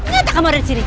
nggak mau dari sini